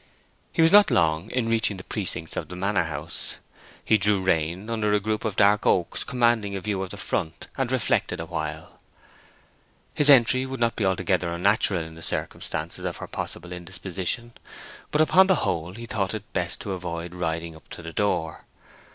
He was not long in reaching the precincts of the Manor House. He drew rein under a group of dark oaks commanding a view of the front, and reflected a while. His entry would not be altogether unnatural in the circumstances of her possible indisposition; but upon the whole he thought it best to avoid riding up to the door.